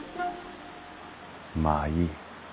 まあいい。